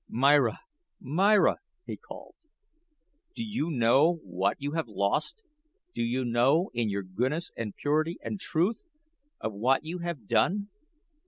Myra, Myra," he called; "do you know what you have lost? Do you know, in your goodness, and purity, and truth, of what you have done?